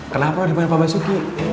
kenapa ada masalah pabasuki